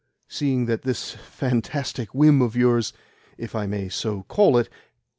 Seeing that this fantastic whim of yours (if I may so call it?)